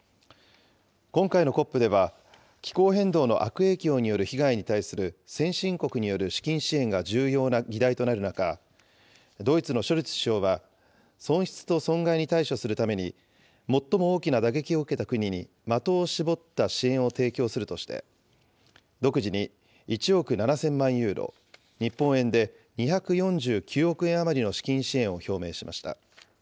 今回のＣＯＰでは、気候変動の悪影響による被害に対する先進国による資金支援が重要な議題となる中、ドイツのショルツ首相は、損失と損害に対処するために、最も大きな打撃を受けた国に的を絞った支援を提供するとして、独自に１億７０００万ユーロ、日本円で２４９億円余りの資金支援を表明しました。